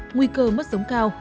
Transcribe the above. nguy cơ mất giống cao